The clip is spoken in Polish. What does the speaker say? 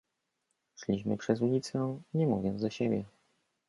"Szliśmy przez ulicę, nie mówiąc do siebie."